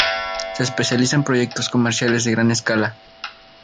Se especializa en proyectos comerciales de gran escala.